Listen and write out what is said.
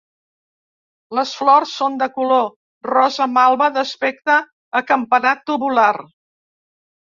Les flors són de color rosa malva, d'aspecte acampanat tubular.